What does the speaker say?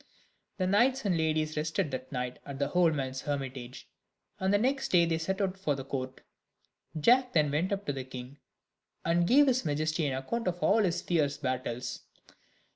The knights and ladies rested that night at the old man's hermitage, and the next day they set out for the court. Jack then went up to the king, and gave his majesty an account of all his fierce battles.